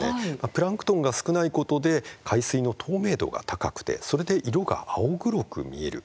プランクトンが少ないことで海水の透明度が高くてそれで色が青黒く見える。